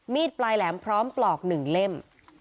ปลายแหลมพร้อมปลอก๑เล่ม